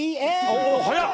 おおはやっ！